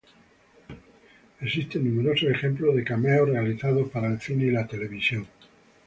Existen numerosos ejemplos de cameos realizados para el cine y televisión.